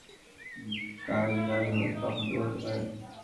তাই, যা-ই হোক, আমাকে বলতে পারেন।